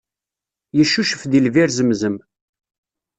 Yeccucef deg lbir zemzem.